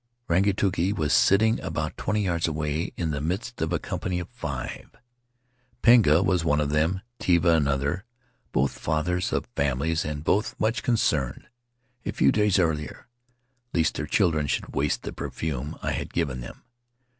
Rangituki was sitting about twenty yards away, in the midst of a company of five. Pinga was one of them and Tevai another — both fathers of families and both much concerned, a few days earlier, lest their children should waste the perfume I had given them.